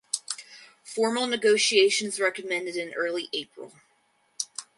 Formal negotiations recommenced in early April.